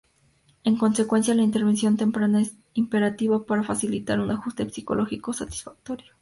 En consecuencia, la intervención temprana es imperativa para facilitar un ajuste psicológico satisfactorio.